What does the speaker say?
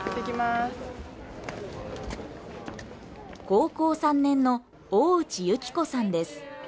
高校３年の大内由紀子さんです